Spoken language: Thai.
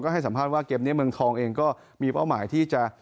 ให้สัมภาษณ์ว่าเกมนี้เมืองทองเองก็มีเป้าหมายที่จะ